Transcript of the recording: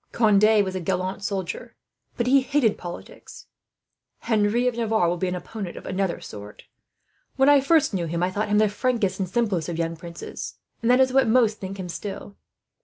Conde was a gallant soldier, but he hated politics. "Henry of Navarre will be an opponent of another sort. When I first knew him, I thought him the frankest and simplest of young princes; and that is what most think him, still.